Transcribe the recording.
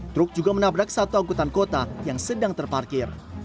truk juga menabrak satu angkutan kota yang sedang terparkir